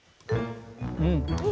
うん。